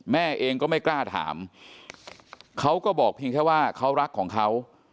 แม่เองก็ไม่กล้าถามเขาก็บอกเพียงแค่ว่าเขารักของเขา